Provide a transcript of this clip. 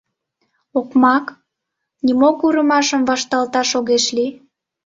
«Окмак, нимо курымашым вашталташ огеш лий».